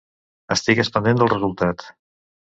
Estigues pendent del resultat.